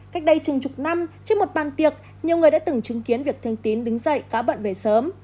cách đây chừng chục năm trên một bàn tiệc nhiều người đã từng chứng kiến việc thương tín đứng dậy cáo bận về sớm